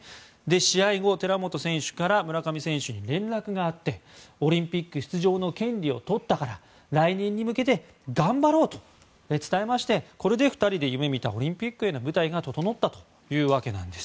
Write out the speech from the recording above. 試合後、寺本選手から村上選手に連絡があってオリンピック出場の権利を取ったから来年に向けて頑張ろうと伝えましてこれで２人で夢見たオリンピックへの舞台が整ったということです。